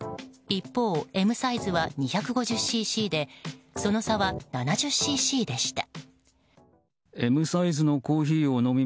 一方、Ｍサイズは２５０ｃｃでその差は７０ｃｃでした。